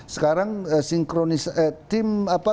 sekarang tim apa